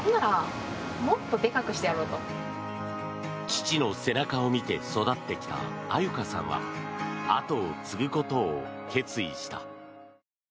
父の背中を見て育ってきた愛柚香さんは後を継ぐことを決意した。